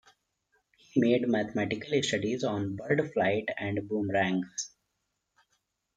He made mathematical studies on bird flight and boomerangs.